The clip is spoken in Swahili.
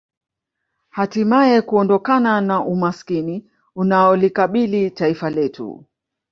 Hatimae kuondokana na umaskini unaolikabili taifa letu